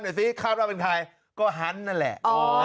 เดี๋ยวสิข้าวเราเป็นใครก็ฮันท์นั่นแหละ